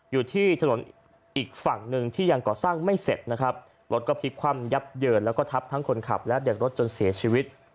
อยู่ที่ถนนอีกฝั่งหนึ่งที่ยังก่อสร้างไม่เสร็จนะครับรถก็พลิกคว่ำยับเยินแล้วก็ทับทั้งคนขับและเด็กรถจนเสียชีวิต